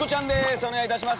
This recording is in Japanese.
お願いいたします。